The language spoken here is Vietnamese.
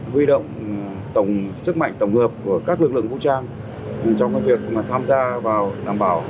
huy động tổng sức mạnh tổng hợp của các lực lượng vũ trang trong việc tham gia vào đảm bảo